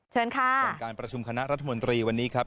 เชิญค่ะส่วนการประชุมคณะรัฐมนตรีวันนี้ครับ